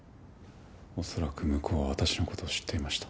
恐らく向こうは私の事を知っていました。